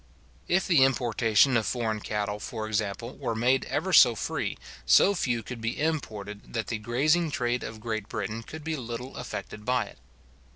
If the importation of foreign cattle, for example, were made ever so free, so few could be imported, that the grazing trade of Great Britain could be little affected by it.